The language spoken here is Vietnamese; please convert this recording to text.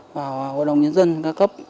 và hội đồng nhân dân ca cấp